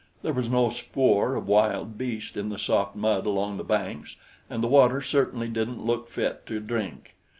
There was no spoor of wild beast in the soft mud along the banks, and the water certainly didn't look fit to drink.